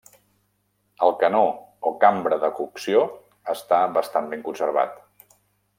El canó o cambra de cocció està bastant ben conservat.